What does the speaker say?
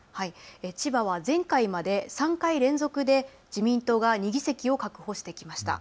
千葉は前回まで３回連続で自民党が２議席を確保してきました。